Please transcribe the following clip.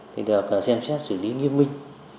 thì được xem xét xử lý nghiêm minh